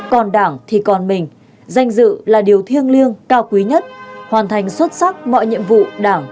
còn đảng thì còn mình danh dự là điều thiêng liêng cao quý nhất hoàn thành xuất sắc mọi nhiệm vụ đảng